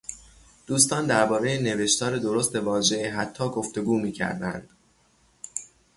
دوستان دربارهٔ نوشتار درست واژهٔ حتی گفتگو میکردند.